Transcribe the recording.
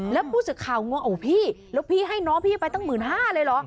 แล้วพูดสึกเขาง้องเอาพี่แล้วพี่ให้น้องพี่ไปตั้งหมื่นห้าเลยเหรอ